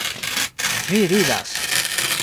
Vi ridas!